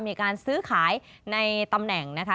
มีการซื้อขายในตำแหน่งนะคะ